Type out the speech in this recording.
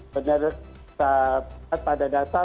benar sempat pada data